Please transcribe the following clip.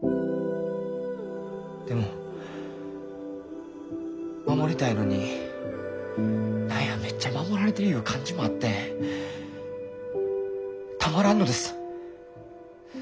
でも守りたいのに何やめっちゃ守られてるいう感じもあってたまらんのです。